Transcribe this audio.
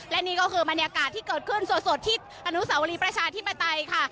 และนี่ก็คือบรรยากาศที่เกิดขึ้นสดที่อนุสาวรีประชาธิปไตยค่ะ